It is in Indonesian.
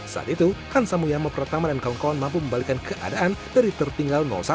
saat itu hansa muyamo pertama dan kong kong mampu membalikan keadaan dari tertinggal satu